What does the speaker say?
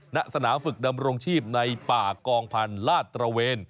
ณสนามฝึกดำรงชีพในป่ากองพันธุ์ลาดตระเวน